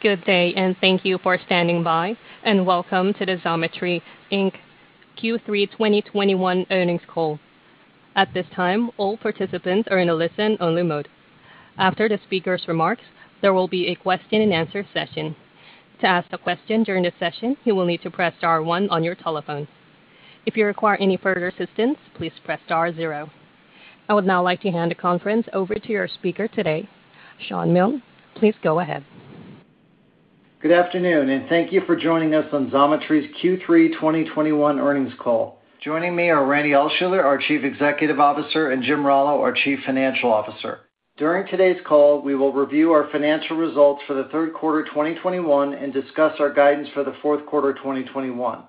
Good day, and thank you for standing by, and Welcome to the Xometry, Inc. Q3 2021 Earnings Call. At this time, all participants are in a listen-only mode. After the speaker's remarks, there will be a question-and-answer session. I would now like to hand the conference over to your speaker today, Shawn Milne. Please go ahead. Good afternoon, and thank you for joining us on Xometry's Q3 2021 earnings call. Joining me are Randy Altschuler, our Chief Executive Officer, and Jim Rallo, our Chief Financial Officer. During today's call, we will review our financial results for the Q3 2021 and discuss our guidance for the fourth quarter 2021.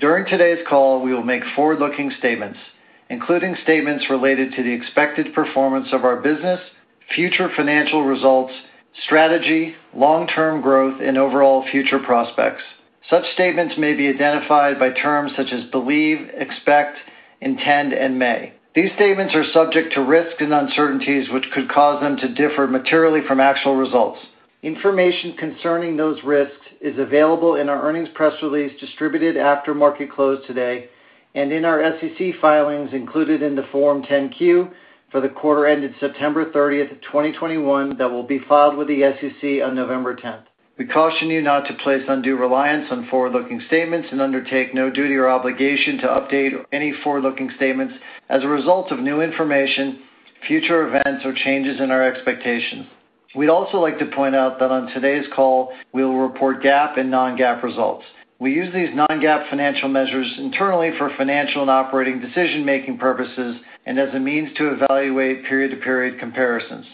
During today's call, we will make forward-looking statements, including statements related to the expected performance of our business, future financial results, strategy, long-term growth, and overall future prospects. Such statements may be identified by terms such as believe, expect, intend, and may. These statements are subject to risks and uncertainties which could cause them to differ materially from actual results. Information concerning those risks is available in our earnings press release distributed after market close today and in our SEC filings included in the Form 10-Q for the quarter ended September 30th, 2021 that will be filed with the SEC on November 10th. We caution you not to place undue reliance on forward-looking statements and undertake no duty or obligation to update any forward-looking statements as a result of new information, future events, or changes in our expectations. We'd also like to point out that on today's call, we will report GAAP and non-GAAP results. We use these non-GAAP financial measures internally for financial and operating decision-making purposes and as a means to evaluate period-to-period comparisons.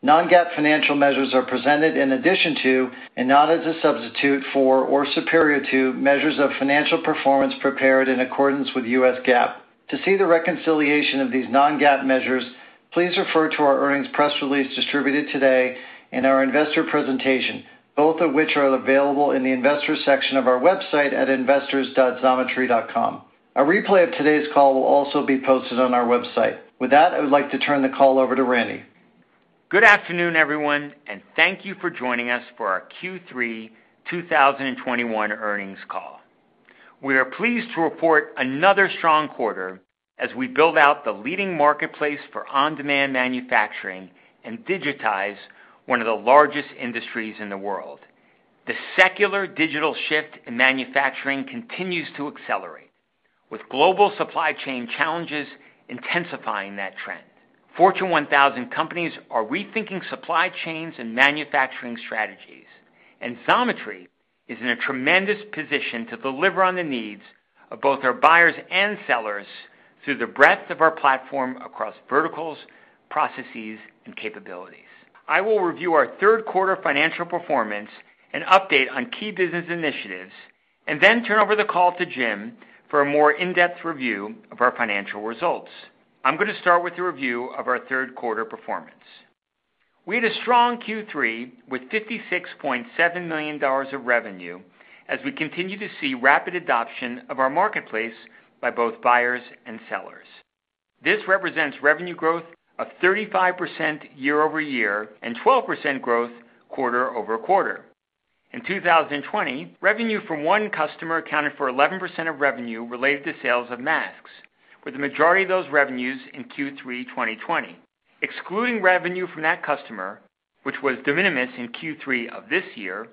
Non-GAAP financial measures are presented in addition to, and not as a substitute for or superior to, measures of financial performance prepared in accordance with US GAAP. To see the reconciliation of these non-GAAP measures, please refer to our earnings press release distributed today and our investor presentation, both of which are available in the investor section of our website at investors.xometry.com. A replay of today's call will also be posted on our website. With that, I would like to turn the call over to Randy. Good afternoon, everyone, and thank you for joining us for our Q3 2021 earnings call. We are pleased to report another strong quarter as we build out the leading marketplace for on-demand manufacturing and digitize one of the largest industries in the world. The secular digital shift in manufacturing continues to accelerate, with global supply chain challenges intensifying that trend. Fortune 1000 companies are rethinking supply chains and manufacturing strategies. Xometry is in a tremendous position to deliver on the needs of both our buyers and sellers through the breadth of our platform across verticals, processes, and capabilities. I will review our Q3 financial performance and update on key business initiatives and then turn over the call to Jim for a more in-depth review of our financial results. I'm gonna start with a review of our Q3 performance. We had a strong Q3 with $56.7 million of revenue as we continue to see rapid adoption of our marketplace by both buyers and sellers. This represents revenue growth of 35% year-over-year and 12% growth quarter-over-quarter. In 2020, revenue from one customer accounted for 11% of revenue related to sales of masks, with the majority of those revenues in Q3 2020. Excluding revenue from that customer, which was de minimis in Q3 of this year,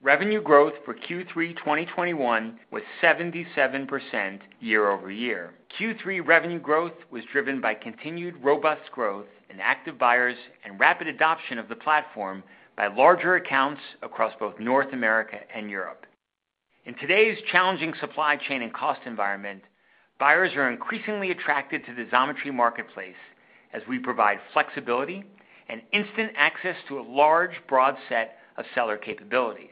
revenue growth for Q3 2021 was 77% year-over-year. Q3 revenue growth was driven by continued robust growth in active buyers and rapid adoption of the platform by larger accounts across both North America and Europe. In today's challenging supply chain and cost environment, buyers are increasingly attracted to the Xometry marketplace as we provide flexibility and instant access to a large, broad set of seller capabilities.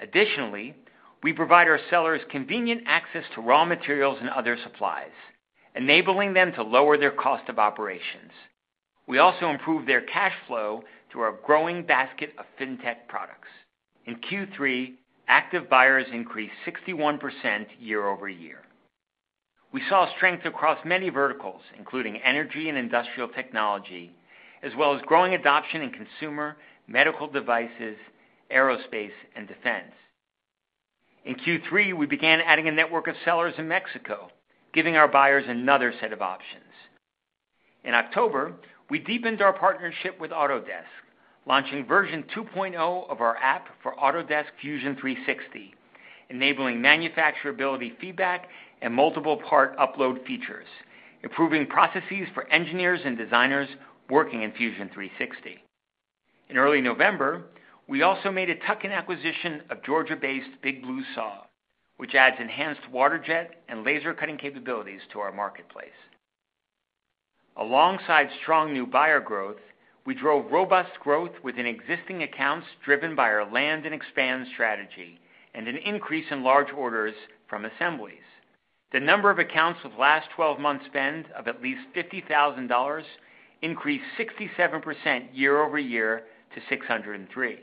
Additionally, we provide our sellers convenient access to raw materials and other supplies, enabling them to lower their cost of operations. We also improve their cash flow through our growing basket of FinTech products. In Q3, active buyers increased 61% year-over-year. We saw strength across many verticals, including energy and industrial technology, as well as growing adoption in consumer, medical devices, aerospace, and defense. In Q3, we began adding a network of sellers in Mexico, giving our buyers another set of options. In October, we deepened our partnership with Autodesk, launching version 2.0 of our app for Autodesk Fusion 360, enabling manufacturability feedback and multiple part upload features, improving processes for engineers and designers working in Fusion 360. In early November, we also made a tuck-in acquisition of Georgia-based Big Blue Saw, which adds enhanced waterjet and laser cutting capabilities to our marketplace. Alongside strong new buyer growth, we drove robust growth within existing accounts driven by our land and expand strategy and an increase in large orders from assemblies. The number of accounts with last twelve months spend of at least $50,000 increased 67% year-over-year to 603.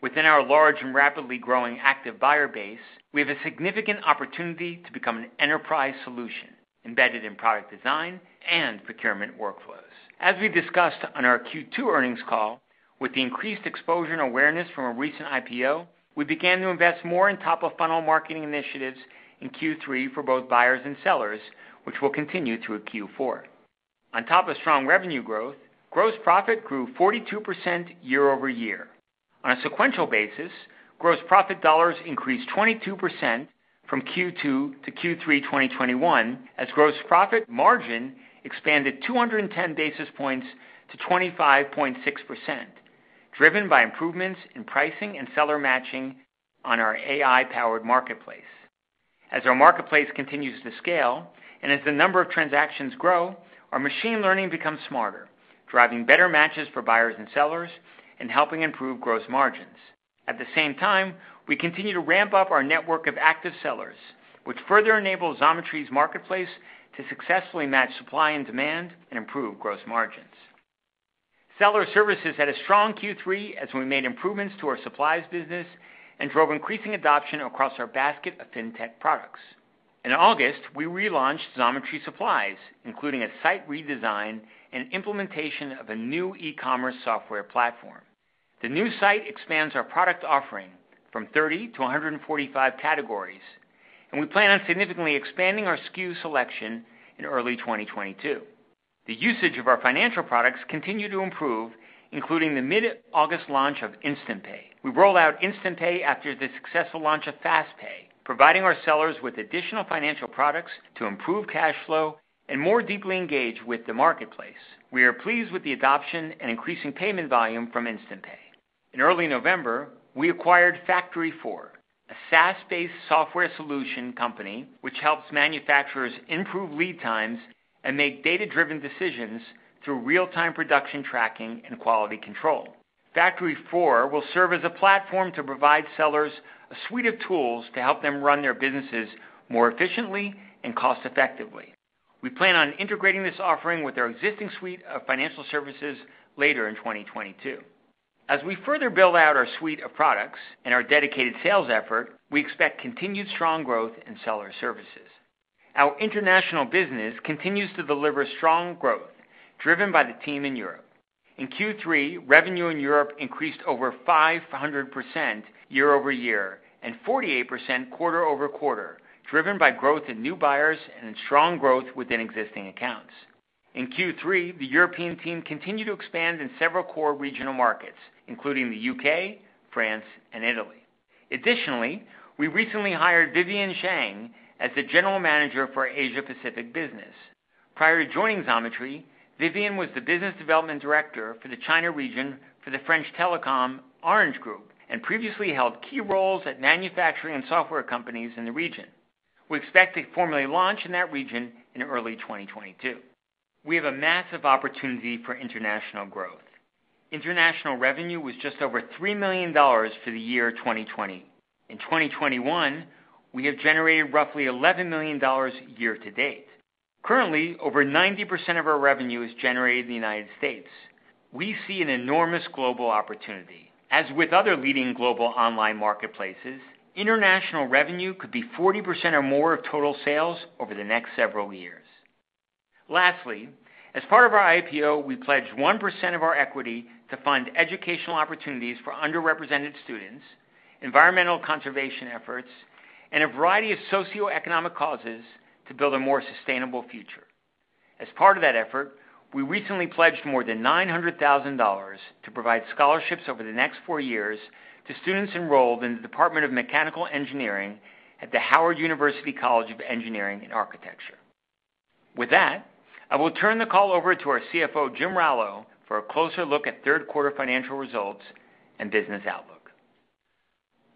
Within our large and rapidly growing active buyer base, we have a significant opportunity to become an enterprise solution embedded in product design and procurement workflows. As we discussed on our Q2 earnings call, with the increased exposure and awareness from our recent IPO, we began to invest more in top-of-funnel marketing initiatives in Q3 for both buyers and sellers, which we'll continue through Q4. On top of strong revenue growth, gross profit grew 42% year-over-year. On a sequential basis, gross profit dollars increased 22% from Q2 to Q3 2021, as gross profit margin expanded 210 basis points to 25.6%, driven by improvements in pricing and seller matching on our AI-powered marketplace. As our marketplace continues to scale and as the number of transactions grow, our machine learning becomes smarter, driving better matches for buyers and sellers and helping improve gross margins. At the same time, we continue to ramp up our network of active sellers, which further enables Xometry's marketplace to successfully match supply and demand and improve gross margins. Seller services had a strong Q3 as we made improvements to our supplies business and drove increasing adoption across our basket of FinTech products. In August, we relaunched Xometry Supplies, including a site redesign and implementation of a new e-commerce software platform. The new site expands our product offering from 30-145 categories, and we plan on significantly expanding our SKU selection in early 2022. The usage of our financial products continue to improve, including the mid-August launch of InstantPay. We rolled out InstantPay after the successful launch of FastPay, providing our sellers with additional financial products to improve cash flow and more deeply engage with the marketplace. We are pleased with the adoption and increasing payment volume from InstantPay. In early November, we acquired FactoryFour, a SaaS-based software solution company which helps manufacturers improve lead times and make data-driven decisions through real-time production tracking and quality control. FactoryFour will serve as a platform to provide sellers a suite of tools to help them run their businesses more efficiently and cost-effectively. We plan on integrating this offering with our existing suite of financial services later in 2022. As we further build out our suite of products and our dedicated sales effort, we expect continued strong growth in seller services. Our international business continues to deliver strong growth driven by the team in Europe. In Q3, revenue in Europe increased over 500% year-over-year and 48% quarter-over-quarter, driven by growth in new buyers and in strong growth within existing accounts. In Q3, the European team continued to expand in several core regional markets, including the UK, France, and Italy. Additionally, we recently hired Vivienne Xiang as the General Manager for our Asia Pacific business. Prior to joining Xometry, Vivienne was the Business Development Director for the China region for the French telecom Orange Group, and previously held key roles at manufacturing and software companies in the region. We expect to formally launch in that region in early 2022. We have a massive opportunity for international growth. International revenue was just over $3 million for the year 2020. In 2021, we have generated roughly $11 million year to date. Currently, over 90% of our revenue is generated in the United States. We see an enormous global opportunity. As with other leading global online marketplaces, international revenue could be 40% or more of total sales over the next several years. Lastly, as part of our IPO, we pledged 1% of our equity to fund educational opportunities for underrepresented students, environmental conservation efforts, and a variety of socioeconomic causes to build a more sustainable future. As part of that effort, we recently pledged more than $900,000 to provide scholarships over the next four years to students enrolled in the Department of Mechanical Engineering at the Howard University College of Engineering and Architecture. With that, I will turn the call over to our CFO, Jim Rallo, for a closer look at Q3 financial results and business outlook.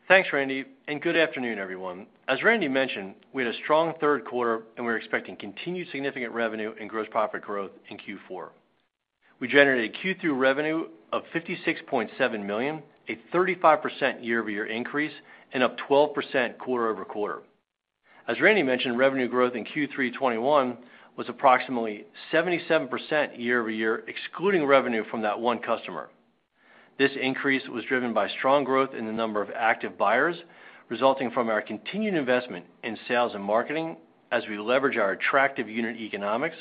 Thanks, Randy, and good afternoon, everyone. As Randy mentioned, we had a strong Q3, and we're expecting continued significant revenue and gross profit growth in Q4. We generated Q3 revenue of $56.7 million, a 35% year-over-year increase, and up 12% quarter-over-quarter. As Randy mentioned, revenue growth in Q3 2021 was approximately 77% year-over-year, excluding revenue from that one customer. This increase was driven by strong growth in the number of active buyers resulting from our continued investment in sales and marketing as we leverage our attractive unit economics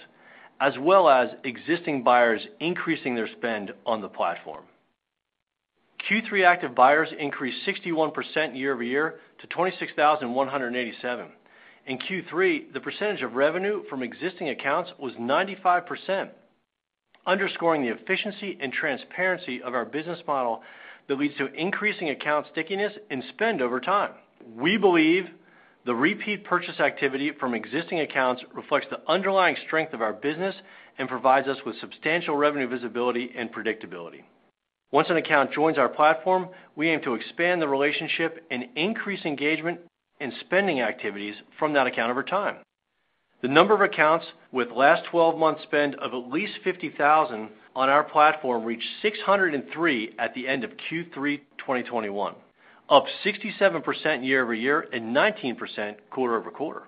as well as existing buyers increasing their spend on the platform. Q3 active buyers increased 61% year-over-year to 26,187. In Q3, the percentage of revenue from existing accounts was 95%, underscoring the efficiency and transparency of our business model that leads to increasing account stickiness and spend over time. We believe the repeat purchase activity from existing accounts reflects the underlying strength of our business and provides us with substantial revenue visibility and predictability. Once an account joins our platform, we aim to expand the relationship and increase engagement and spending activities from that account over time. The number of accounts with last twelve months spend of at least $50,000 on our platform reached 603 at the end of Q3 2021, up 67% year-over-year and 19% quarter-over-quarter.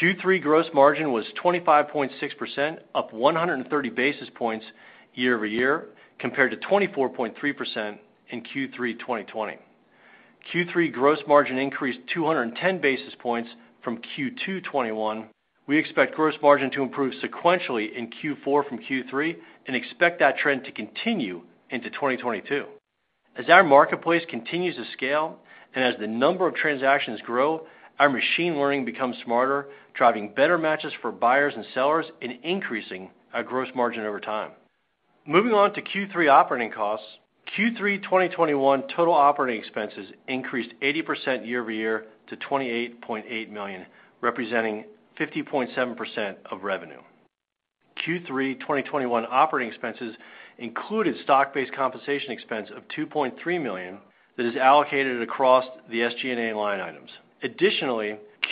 Q3 gross margin was 25.6%, up 130 basis points year-over-year compared to 24.3% in Q3 2020. Q3 gross margin increased 210 basis points from Q2 2021. We expect gross margin to improve sequentially in Q4 from Q3 and expect that trend to continue into 2022. As our marketplace continues to scale, and as the number of transactions grow, our machine learning becomes smarter, driving better matches for buyers and sellers and increasing our gross margin over time. Moving on to Q3 operating costs. Q3 2021 total operating expenses increased 80% year-over-year to $28.8 million, representing 50.7% of revenue. Q3 2021 operating expenses included stock-based compensation expense of $2.3 million that is allocated across the SG&A line items.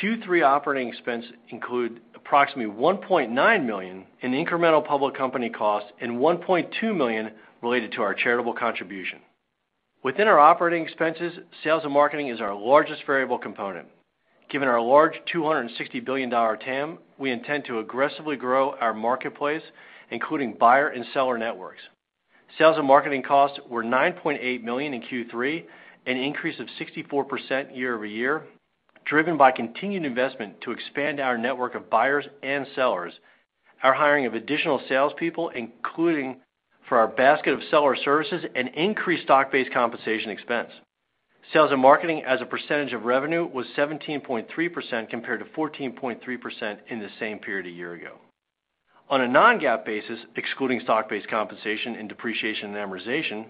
Q3 operating expenses include approximately $1.9 million in incremental public company costs and $1.2 million related to our charitable contribution. Within our operating expenses, sales and marketing is our largest variable component. Given our large $260 billion TAM, we intend to aggressively grow our marketplace, including buyer and seller networks. Sales and marketing costs were $9.8 million in Q3, an increase of 64% year-over-year, driven by continued investment to expand our network of buyers and sellers, our hiring of additional salespeople, including for our basket of seller services, and increased stock-based compensation expense. Sales and marketing as a percentage of revenue was 17.3% compared to 14.3% in the same period a year ago. On a non-GAAP basis, excluding stock-based compensation and depreciation and amortization,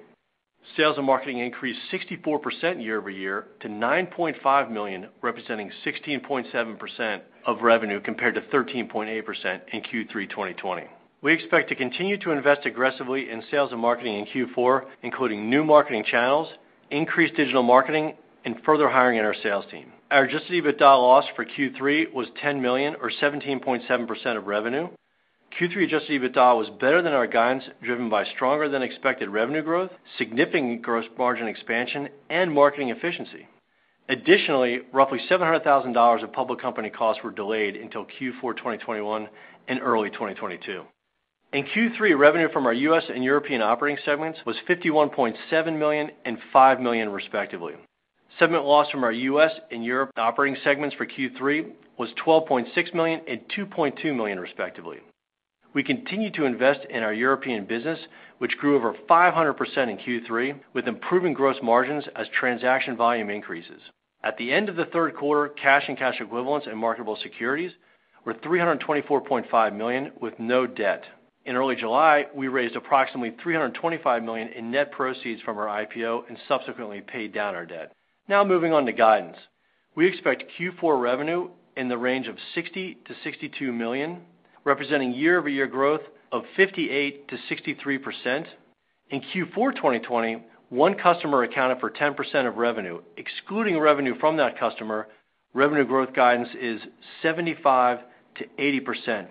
sales and marketing increased 64% year-over-year to $9.5 million, representing 16.7% of revenue, compared to 13.8% in Q3 2020. We expect to continue to invest aggressively in sales and marketing in Q4, including new marketing channels, increased digital marketing, and further hiring in our sales team. Our adjusted EBITDA loss for Q3 was $10 million or 17.7% of revenue. Q3 adjusted EBITDA was better than our guidance, driven by stronger than expected revenue growth, significant gross margin expansion, and marketing efficiency. Additionally, roughly $700,000 of public company costs were delayed until Q4 2021 and early 2022. In Q3, revenue from our U.S. and European operating segments was $51.7 million and $5 million, respectively. Segment loss from our US and Europe operating segments for Q3 was $12.6 million and $2.2 million, respectively. We continue to invest in our European business, which grew over 500% in Q3, with improving gross margins as transaction volume increases. At the end of the Q3, cash and cash equivalents and marketable securities were $324.5 million with no debt. In early July, we raised approximately $325 million in net proceeds from our IPO and subsequently paid down our debt. Now moving on to guidance. We expect Q4 revenue in the range of $60 million-$62 million, representing year-over-year growth of 58%-63%. In Q4 2021, one customer accounted for 10% of revenue. Excluding revenue from that customer, revenue growth guidance is 75%-80%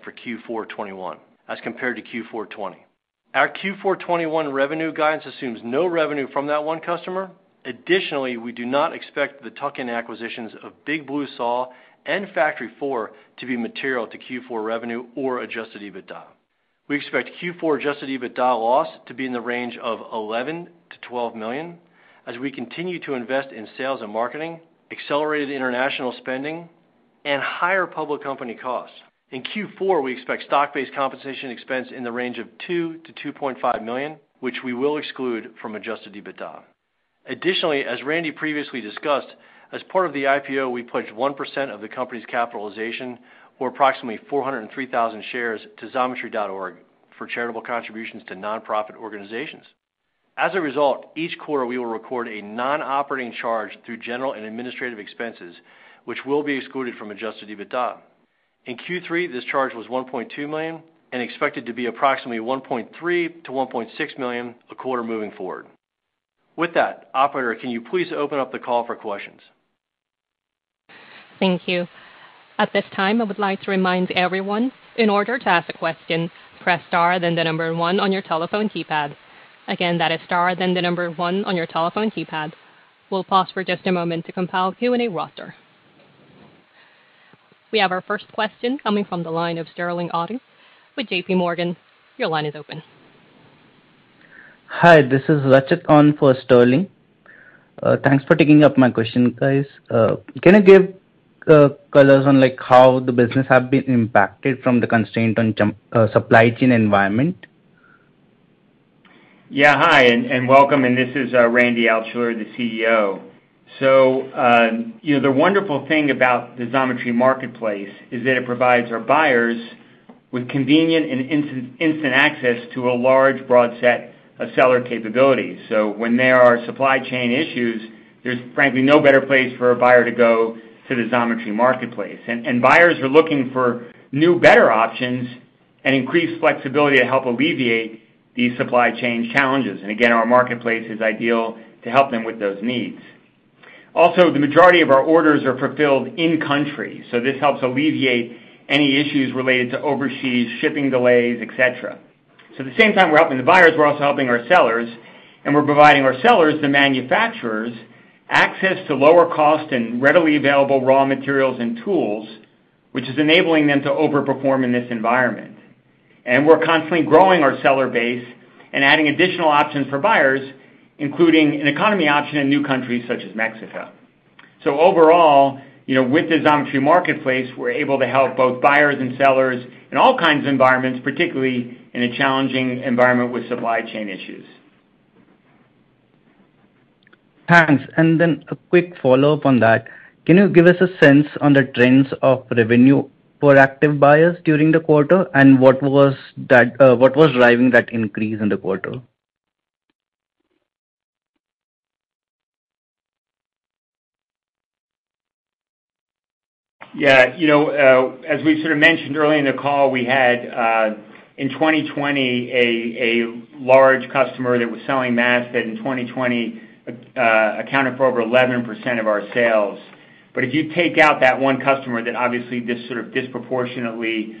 for Q4 2021 as compared to Q4 2020. Our Q4 2021 revenue guidance assumes no revenue from that one customer. Additionally, we do not expect the tuck-in acquisitions of Big Blue Saw and FactoryFour to be material to Q4 revenue or adjusted EBITDA. We expect Q4 adjusted EBITDA loss to be in the range of $11 million-$12 million as we continue to invest in sales and marketing, accelerated international spending, and higher public company costs. In Q4, we expect stock-based compensation expense in the range of $2 million-$2.5 million, which we will exclude from adjusted EBITDA. Additionally, as Randy previously discussed, as part of the IPO, we pledged 1% of the company's capitalization, or approximately 403,000 shares, to xometry.org for charitable contributions to nonprofit organizations. As a result, each quarter we will record a non-operating charge through general and administrative expenses, which will be excluded from adjusted EBITDA. In Q3, this charge was $1.2 million and expected to be approximately $1.3-$1.6 million a quarter moving forward. With that, operator, can you please open up the call for questions. Thank you. At this time, I would like to remind everyone, in order to ask a question, press star then the number one on your telephone keypad. Again, that is star then the number one on your telephone keypad. We'll pause for just a moment to compile Q&A roster. We have our first question coming from the line of Sterling Auty with J.P. Morgan. Your line is open. Hi, this is Lakith on for Sterling. Thanks for taking up my question, guys. Can you give colors on, like, how the business have been impacted from the constraint on supply chain environment? Hi and welcome. This is Randy Altschuler, the CEO. You know, the wonderful thing about the Xometry marketplace is that it provides our buyers with convenient and instant access to a large, broad set of seller capabilities. When there are supply chain issues, there's frankly no better place for a buyer to go to the Xometry marketplace. Buyers are looking for new, better options and increased flexibility to help alleviate these supply chain challenges. Again, our marketplace is ideal to help them with those needs. Also, the majority of our orders are fulfilled in country, so this helps alleviate any issues related to overseas shipping delays, et cetera. At the same time we're helping the buyers, we're also helping our sellers, and we're providing our sellers, the manufacturers, access to lower cost and readily available raw materials and tools, which is enabling them to overperform in this environment. We're constantly growing our seller base and adding additional options for buyers, including an economy option in new countries such as Mexico. Overall, you know, with the Xometry marketplace, we're able to help both buyers and sellers in all kinds of environments, particularly in a challenging environment with supply chain issues. Thanks. A quick follow-up on that. Can you give us a sense on the trends of revenue for active buyers during the quarter, and what was driving that increase in the quarter? Yeah. You know, as we sort of mentioned early in the call, we had in 2020 a large customer that was selling masks that in 2020 accounted for over 11% of our sales. If you take out that one customer that obviously did sort of disproportionately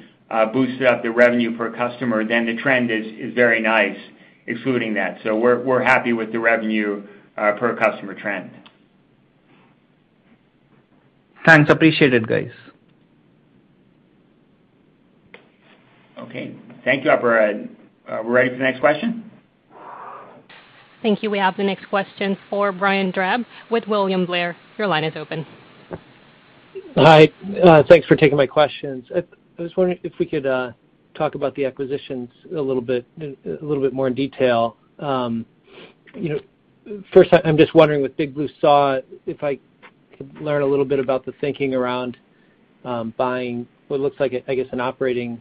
boosted up the revenue per customer, then the trend is very nice excluding that. We're happy with the revenue per customer trend. Thanks. Appreciate it, guys. Okay. Thank you, Abhirad. Are we ready for the next question? Thank you. We have the next question for Brian Drab with William Blair. Your line is open. Hi. Thanks for taking my questions. I was wondering if we could talk about the acquisitions a little bit more in detail. You know, 1st, I'm just wondering with Big Blue Saw, if I could learn a little bit about the thinking around buying what looks like a, I guess, an operating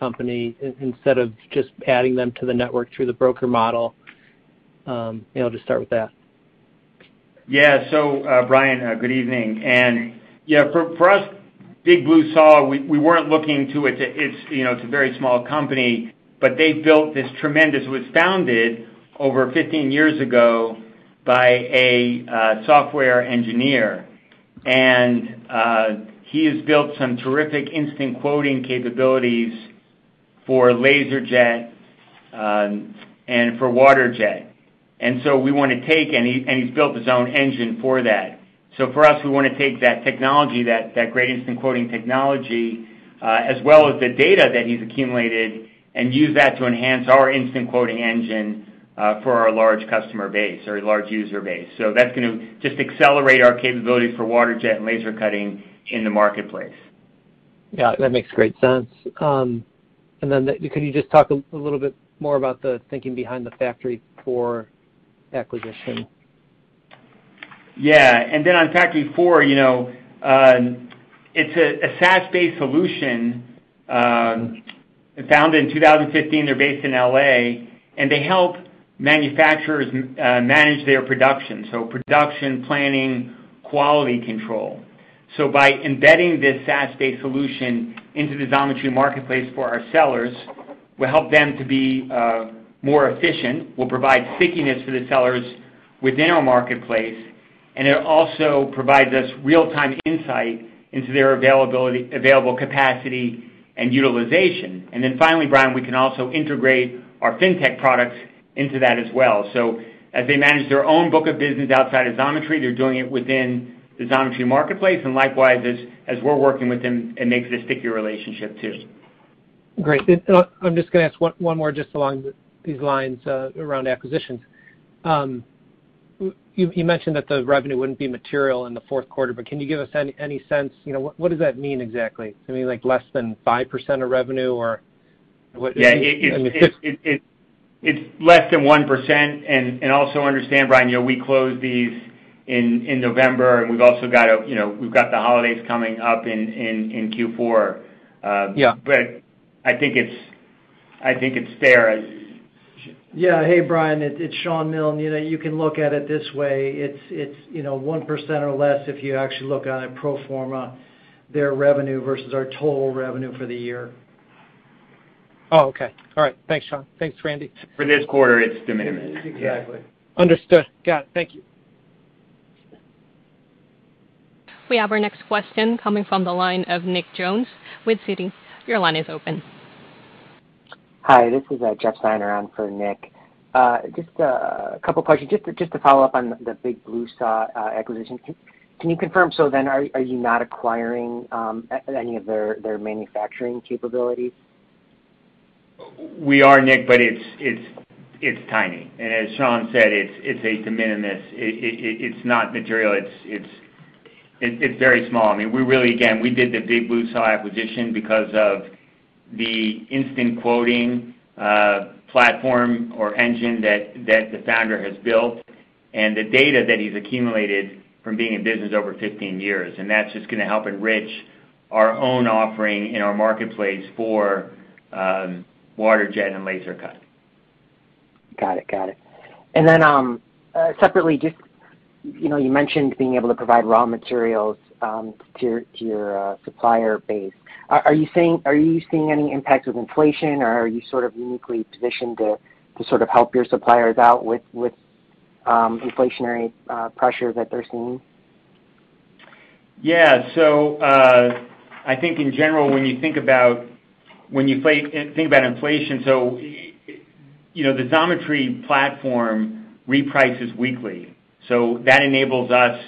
company instead of just adding them to the network through the broker model. You know, just start with that. Yeah. Brian, good evening. For us, Big Blue Saw, we weren't looking to. It's, you know, it's a very small company, but they built this tremendous. It was founded over 15 years ago by a software engineer. He has built some terrific instant quoting capabilities for laser jet and for water jet. He has built his own engine for that. For us, we wanna take that technology, that great instant quoting technology, as well as the data that he's accumulated, and use that to enhance our instant quoting engine for our large customer base or large user base. That's gonna just accelerate our capability for water jet and laser cutting in the marketplace. Yeah, that makes great sense. Could you just talk a little bit more about the thinking behind the FactoryFour acquisition? Yeah. Then on FactoryFour, you know, it's a SaaS-based solution founded in 2015. They're based in LA. They help manufacturers manage their production, so production planning, quality control. By embedding this SaaS-based solution into the Xometry marketplace for our sellers will help them to be more efficient, will provide stickiness to the sellers within our marketplace, and it also provides us real-time insight into their available capacity and utilization. Finally, Brian, we can also integrate our FinTech products into that as well. As they manage their own book of business outside of Xometry, they're doing it within the Xometry marketplace, and likewise, as we're working with them, it makes it a stickier relationship too. Great. I'm just gonna ask one more just along these lines, around acquisitions. You mentioned that the revenue wouldn't be material in the Q4, but can you give us any sense? You know, what does that mean exactly? I mean, like less than 5% of revenue or what is it? Yeah. In the fifth- It's less than 1%. Also understand, Brian, you know, we closed these in November, and we've also got, you know, the holidays coming up in Q4. Yeah I think it's fair, as- Hey, Brian, it's Shawn Milne. You know, you can look at it this way. It's, you know, 1% or less if you actually look on a pro forma, their revenue versus our total revenue for the year. Okay. All right. Thanks, Sean. Thanks, Randy. For this quarter, it's de minimis. De minimis. Exactly. Understood. Got it. Thank you. We have our next question coming from the line of Nick Jones with Citi. Your line is open. Hi, this is Jeff Steiner on for Nick. Just a couple questions. Just to follow up on the Big Blue Saw acquisition. Can you confirm, so then are you not acquiring any of their manufacturing capabilities? We are, Nick, but it's tiny. As Sean said, it's a de minimis. It's not material. It's very small. I mean, again, we did the Big Blue Saw acquisition because of the Instant Quoting platform or engine that the founder has built and the data that he's accumulated from being in business over 15 years, and that's just gonna help enrich our own offering in our marketplace for waterjet and laser cutting. Got it. Separately, just, you know, you mentioned being able to provide raw materials to your supplier base. Are you seeing any impact with inflation, or are you sort of uniquely positioned to sort of help your suppliers out with inflationary pressure that they're seeing? Yeah. I think in general, when you think about inflation, you know, the Xometry platform reprices weekly, so that enables us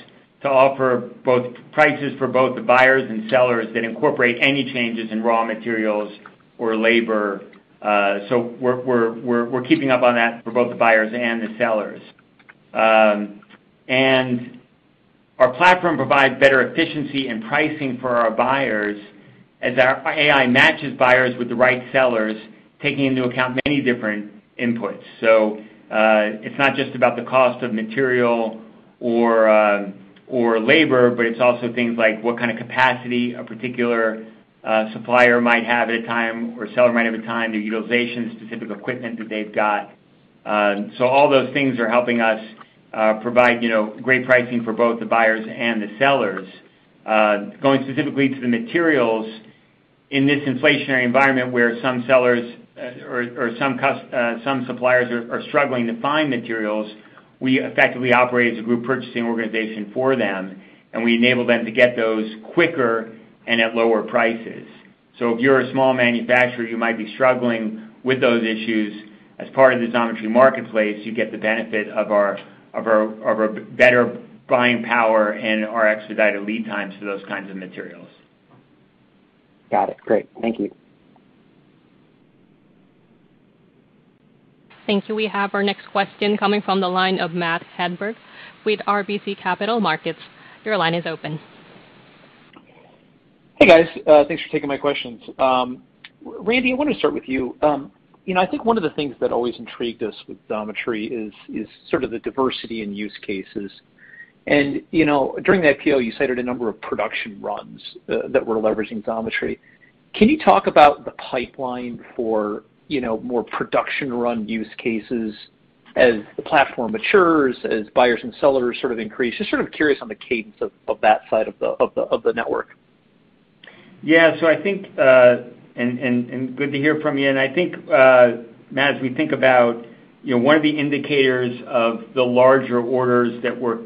to offer both prices for both the buyers and sellers that incorporate any changes in raw materials or labor. We're keeping up on that for both the buyers and the sellers. Our platform provides better efficiency and pricing for our buyers as our AI matches buyers with the right sellers, taking into account many different inputs. It's not just about the cost of material or labor, but it's also things like what kind of capacity a particular supplier might have at a time, or seller might have at a time, the utilization-specific equipment that they've got. All those things are helping us provide, you know, great pricing for both the buyers and the sellers. Going specifically to the materials, in this inflationary environment where some sellers or some suppliers are struggling to find materials, we effectively operate as a group purchasing organization for them, and we enable them to get those quicker and at lower prices. If you're a small manufacturer, you might be struggling with those issues. As part of the Xometry marketplace, you get the benefit of our better buying power and our expedited lead times for those kinds of materials. Got it. Great. Thank you. Thank you. We have our next question coming from the line of Matt Hedberg with RBC Capital Markets. Your line is open. Hey, guys. Thanks for taking my questions. Randy, I want to start with you. You know, I think one of the things that always intrigued us with Xometry is sort of the diversity in use cases. You know, during the IPO, you cited a number of production runs that were leveraging Xometry. Can you talk about the pipeline for more production run use cases as the platform matures, as buyers and sellers sort of increase? Just sort of curious on the cadence of that side of the network. Yeah. I think and good to hear from you. I think, Matt, as we think about, you know, one of the indicators of the larger orders that we're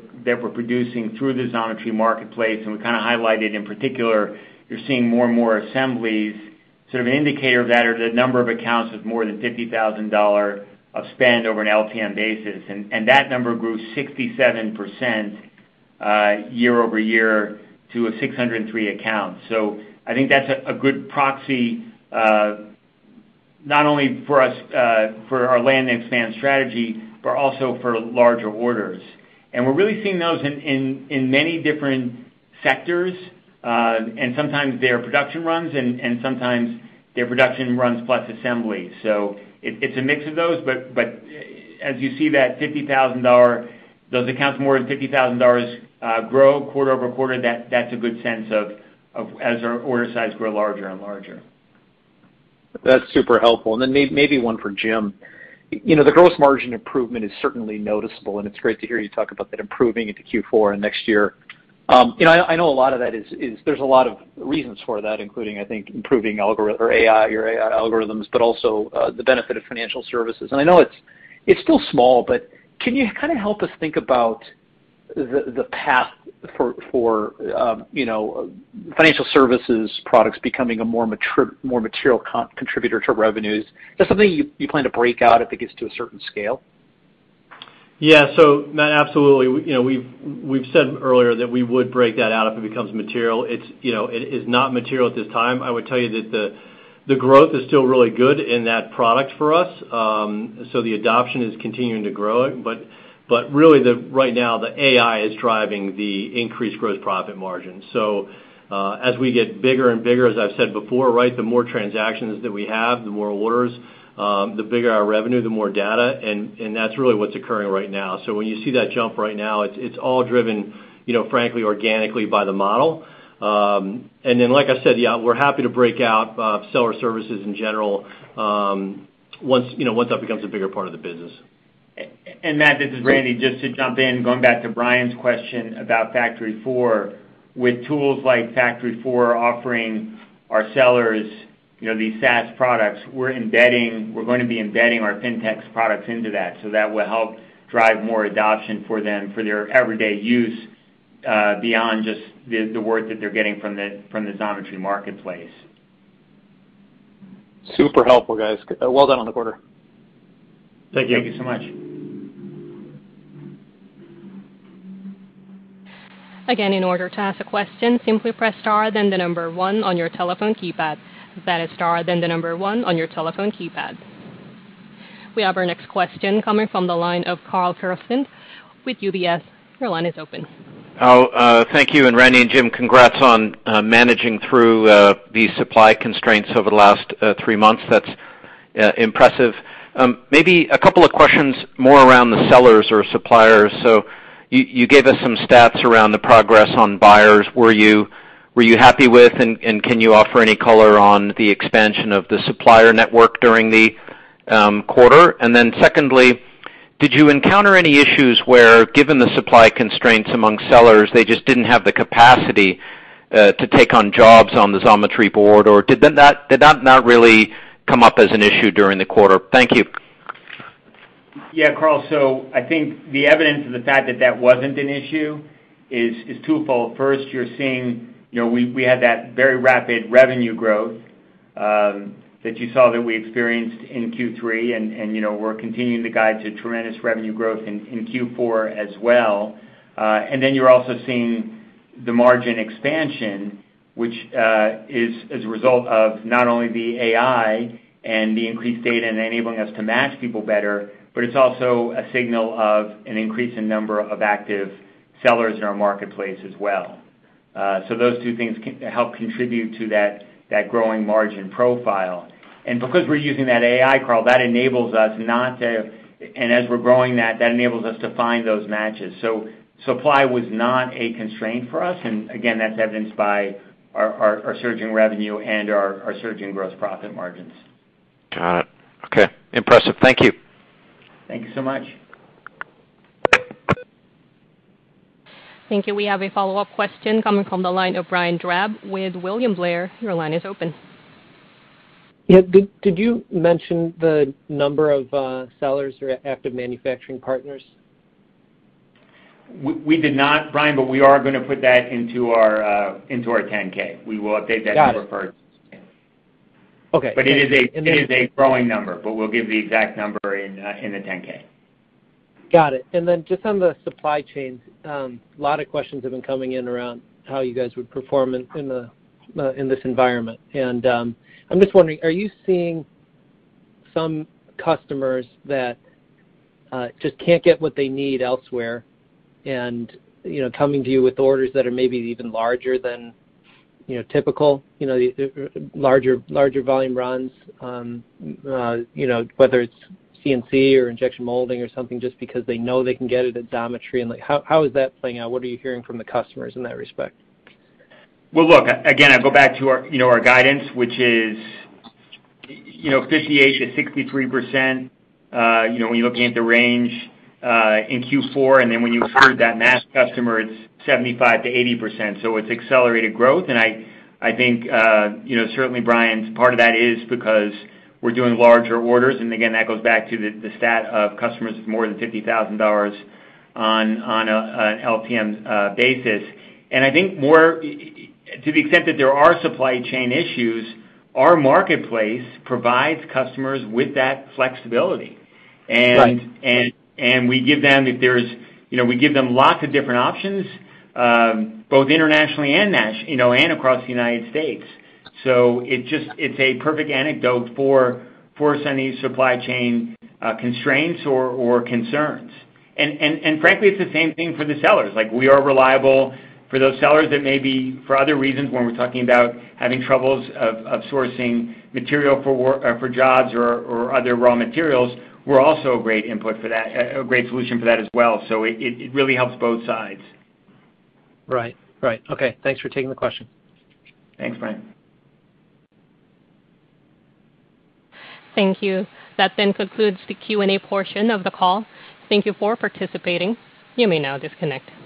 producing through the Xometry marketplace, and we kind a highlighted in particular, you're seeing more and more assemblies, sort of indicator of that are the number of accounts with more than $50,000 of spend over an LTM basis. That number grew 67% year-over-year to 603 accounts. I think that's a good proxy, not only for us, for our land and expand strategy, but also for larger orders. We're really seeing those in many different sectors, and sometimes they're production runs and sometimes they're production runs plus assembly. It's a mix of those, but as you see those accounts more than $50,000 grow quarter-over-quarter, that's a good sense of as our order size grow larger and larger. That's super helpful. Then maybe one for Jim. You know, the gross margin improvement is certainly noticeable, and it's great to hear you talk about that improving into Q4 and next year. You know, I know a lot of that is, there's a lot of reasons for that, including, I think, improving AI, your AI algorithms, but also, the benefit of financial services. I know it's still small, but can you kind a help us think about the path for financial services products becoming a more material contributor to revenues? Is that something you plan to break out if it gets to a certain scale? Yeah. Matt, absolutely. You know, we've said earlier that we would break that out if it becomes material. It is not material at this time. I would tell you that the growth is still really good in that product for us. The adoption is continuing to grow. But really, right now, the AI is driving the increased gross profit margin. As we get bigger and bigger, as I've said before, right, the more transactions that we have, the more orders, the bigger our revenue, the more data, and that's really what's occurring right now. When you see that jump right now, it's all driven, you know, frankly, organically by the model. Like I said, yeah, we're happy to break out seller services in general, once, you know, that becomes a bigger part of the business. Matt, this is Randy. Just to jump in, going back to Brian's question about FactoryFour. With tools like FactoryFour offering our sellers, you know, these SaaS products, we're gonna be embedding our FinTech products into that, so that will help drive more adoption for them for their everyday use, beyond just the work that they're getting from the Xometry marketplace. Super helpful, guys. Well done on the quarter. Thank you. Thank you so much. Again, in order to ask a question, simply press star then the number one on your telephone keypad. That is star then the number one on your telephone keypad. We have our next question coming from the line of Karl Keirstead with UBS. Your line is open. Oh, thank you, and Randy and Jim, congrats on managing through the supply constraints over the last three months. That's impressive. Maybe a couple of questions more around the sellers or suppliers. You gave us some stats around the progress on buyers. Were you happy with and can you offer any color on the expansion of the supplier network during the quarter? Secondly, did you encounter any issues where, given the supply constraints among sellers, they just didn't have the capacity to take on jobs on the Xometry board, or did that not really come up as an issue during the quarter? Thank you. Yeah, Karl. I think the evidence of the fact that that wasn't an issue is twofold. 1st, you're seeing, you know, we had that very rapid revenue growth that you saw we experienced in Q3, and you know, we're continuing to guide to tremendous revenue growth in Q4 as well. Then you're also seeing the margin expansion, which is as a result of not only the AI and the increased data and enabling us to match people better, but it's also a signal of an increase in number of active sellers in our marketplace as well. Those two things help contribute to that growing margin profile. Because we're using that AI, Karl, that enables us not to and as we're growing that enables us to find those matches. Supply was not a constraint for us, and again, that's evidenced by our surging revenue and our surging gross profit margins. Got it. Okay. Impressive. Thank you. Thank you so much. Thank you. We have a follow-up question coming from the line of Brian Drab with William Blair. Your line is open. Yeah. Did you mention the number of sellers or active manufacturing partners? We did not, Brian, but we are gonna put that into our 10-K. We will update that number for it. Got it. Okay. It is a growing number, but we'll give the exact number in the 10-K. Got it. Just on the supply chains, a lot of questions have been coming in around how you guys would perform in this environment. I'm just wondering, are you seeing some customers that just can't get what they need elsewhere and, you know, coming to you with orders that are maybe even larger than typical, you know, larger volume runs, you know, whether it's CNC or injection molding or something, just because they know they can get it at Xometry? Like, how is that playing out? What are you hearing from the customers in that respect? Well, look, again, I go back to our, you know, our guidance, which is, you know, 58%-63%, you know, when you're looking at the range, in Q4. Then when you heard that mass customer, it's 75%-80%, so it's accelerated growth. I think, you know, certainly Brian, part of that is because we're doing larger orders. Again, that goes back to the stat of customers with more than $50,000 on an LTM basis. I think to the extent that there are supply chain issues, our marketplace provides customers with that flexibility. Right. You know, we give them lots of different options both internationally and you know, across the United States. It just is a perfect antidote for semiconductor supply chain constraints or concerns. Frankly, it's the same thing for the sellers. Like, we are reliable for those sellers that may be for other reasons when we're talking about having troubles sourcing material for jobs or other raw materials. We're also a great input for that, a great solution for that as well. It really helps both sides. Right. Okay, thanks for taking the question. Thanks, Brian. Thank you. That then concludes the Q&A portion of the call. Thank you for participating. You may now disconnect.